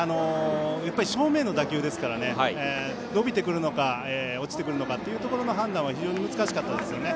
正面の打球ですから伸びてくるのか落ちてくるのかという判断は非常に難しかったですね。